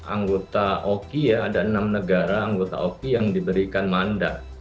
anggota oki ya ada enam negara anggota oki yang diberikan mandat